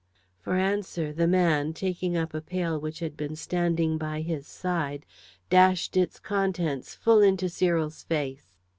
For answer the man, taking up a pail which had been standing by his side, dashed its contents full into Cyril's face.